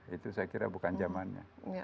itu saya kira bukan zamannya